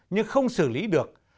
nhưng không xử lý được